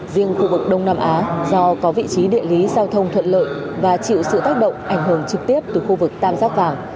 riêng khu vực đông nam á do có vị trí địa lý giao thông thuận lợi và chịu sự tác động ảnh hưởng trực tiếp từ khu vực tam giác vàng